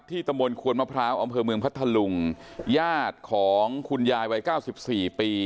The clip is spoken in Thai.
ที่ตระบวนครวดมะพร้าวอำเภอเมืองพัทธลุงญาติของคุณยายวัย๙๔ปี